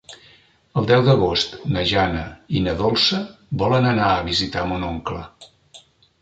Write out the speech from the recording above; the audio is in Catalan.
El deu d'agost na Jana i na Dolça volen anar a visitar mon oncle.